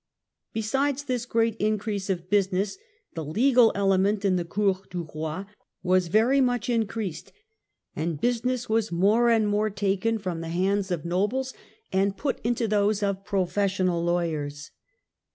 Besides this great increase of business, the legal element in the Cour dti Boi was very much increased, and business was more and more taken from the hands of nobles and put FKENCH HISTORY, 1273 1328 65 into those of professional lawyers.